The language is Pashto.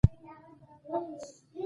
فرض کړه جګړه دې ګټلې راوړه.